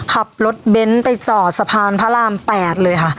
ขับรถเบนท์ไปจอดสะพานพระราม๘เลยค่ะ